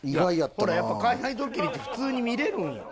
ほらやっぱ海外ドッキリって普通に見れるんや。